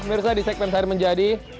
selamat datang di segmen sehari menjadi